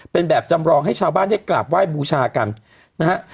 เป็นแบบจำรองให้ชาวบ้านได้กราบไหว้บูชากันนะฮะ